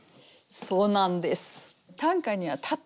そうなんです。